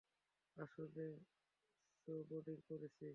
আসলে, স্নোবোর্ডিং করছি।